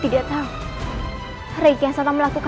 penyebabnya ayahanda moksa